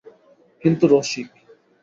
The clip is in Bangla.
কিন্তু– রসিক।